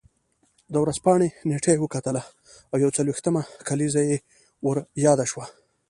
د ورځپاڼې نېټه یې وکتله او یو څلوېښتمه کلیزه یې ور یاده شوه.